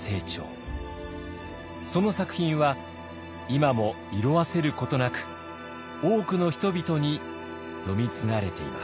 その作品は今も色あせることなく多くの人々に読み継がれています。